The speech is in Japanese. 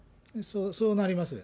そうなりますよ。